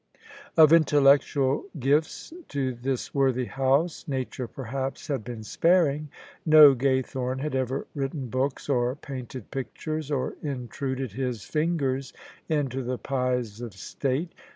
Of intellectual gifts to this worthy house Nature perhaps had been sparing. No Gaythorne had ever written books or painted pictures or intruded his fingers into the pies of State.